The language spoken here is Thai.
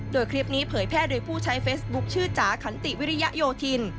โดยคลิปนี้เผยแพร่โดยผู้ใช้เฟซบุ๊คชื่อจ๋าขันติวิริยโยธิน